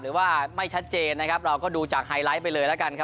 หรือว่าไม่ชัดเจนนะครับเราก็ดูจากไฮไลท์ไปเลยแล้วกันครับ